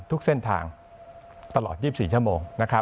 ทุกเส้นทางตลอด๒๔ชั่วโมง